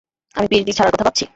আমি পিএইচডি ছাড়ার কথা ভাবছি।